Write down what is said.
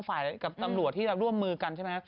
ฝ่ายกับตำรวจที่จะร่วมมือกันใช่ไหม